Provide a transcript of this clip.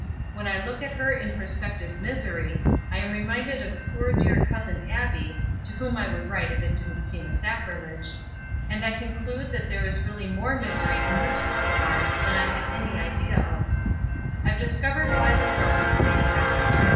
When I look at her in prospective misery, I am reminded of poor, dear cousin Abbie (to whom I would write if it didn't seem a sacrilege), and I conclude there is really more misery in this world of ours than I had any idea of. I've discovered why the world was made round.